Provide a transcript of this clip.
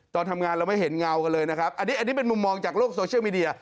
ตอนทำงานเราไม่เห็นเงากันเลยนะครับอันนี้อันนี้เป็นมุมมองจากโลกโซเชียลมีเดีย